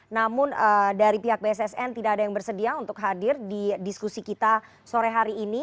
namun dari pihak bssn tidak ada yang bersedia untuk hadir di diskusi kita sore hari ini